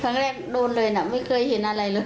ครั้งแรกโดนเลยนะไม่เคยเห็นอะไรเลย